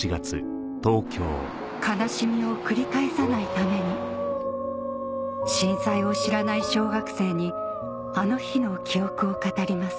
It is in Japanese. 悲しみを繰り返さないために震災を知らない小学生にあの日の記憶を語ります